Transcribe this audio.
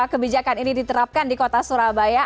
kebijakan ini diterapkan di kota surabaya